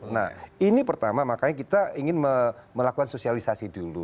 nah ini pertama makanya kita ingin melakukan sosialisasi dulu